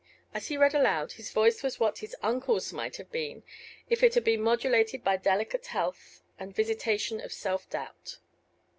As he read aloud, his voice was what his uncle's might have been if it had been modulated by delicate health and a visitation of self doubt.